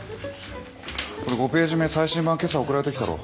これ５ページ目最新版今朝送られてきたろ。